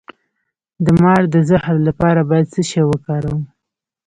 د مار د زهر لپاره باید څه شی وکاروم؟